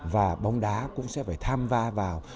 và bóng đá cũng sẽ phải tham va vào